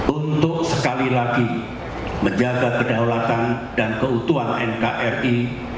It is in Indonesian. untuk sekali lagi menjaga kedaulatan dan keutuhan nkri